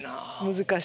難しいね。